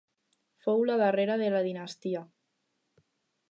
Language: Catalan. Fou la darrera de la dinastia.